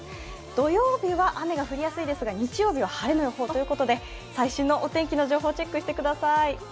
土曜日は雨が降りやすいですが、日曜日は晴れの予報ということで最新のお天気の情報チェックしてください。